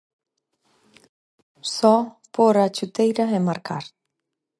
Só pór a chuteira e marcar.